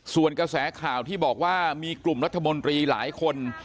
ส่วนกระแสข่าวที่บอกว่ามีกลุ่มรัฐมนตรีหลายคน